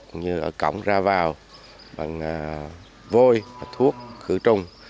cũng như ở cổng ra vào bằng vôi thuốc khử trùng